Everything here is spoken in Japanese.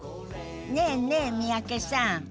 ねえねえ三宅さん。